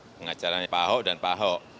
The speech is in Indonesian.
pengacaranya pak ahok dan pak ahok